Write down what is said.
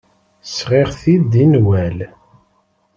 Sɣiɣ-t-id i Newwal.